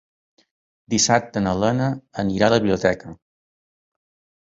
Dissabte na Lena irà a la biblioteca.